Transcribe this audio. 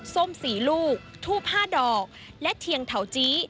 ส้ม๔ลูกทูบ๕ดอกและเทียงเถาจี้